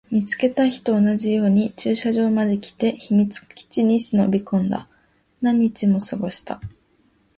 見つけた日と同じように駐車場まで来て、秘密基地に忍び込んだ。何日も過ごした。